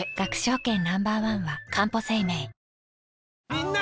みんな！